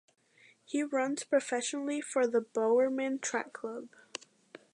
He runs professionally for the Bowerman Track Club.